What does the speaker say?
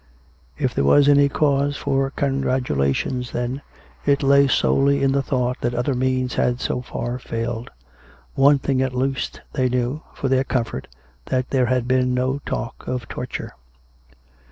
If there was any cause for congratulation then, it lay solely in the thought that other means had so far failed. One thing at least they knew, for their comfort, that there had been no talk of torture.